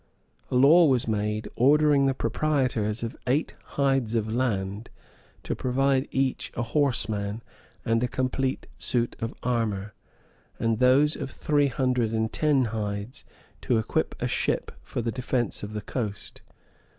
A law was made, ordering the proprietors of eight hides of land to provide each a horseman and a complete suit of armor, and those of three hundred and ten hides to equip a ship for the defence of the coast.